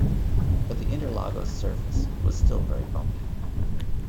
But the Interlagos surface was still very bumpy.